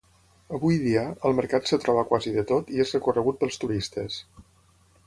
Avui dia, al mercat es troba quasi de tot i és recorregut pels turistes.